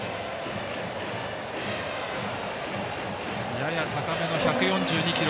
やや高めの１４２キロ。